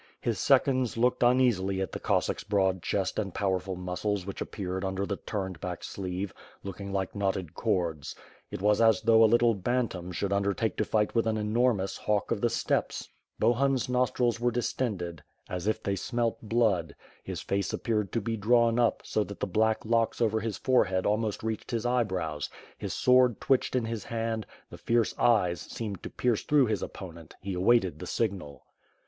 His seconds looked uneasily at the Cossack's broad chest and pow erful muscles which appeared under the turned back sleeve, looking like knotted cords. It was as though a little bantam should undertake to fight with an enormous hawk of the steppes. Bohun's nostrils were distended as if they smelt IN THE NAME OF GOD, BEGIN I WITH FIRE AND SWORD. 555 blood; his face appeared to be drawn up, so that the black locks over his forehead almost reached his eyebrows; his sword twitched in his hand; the fierce eyes seemed to pierce through his opponent; he awaited the signal.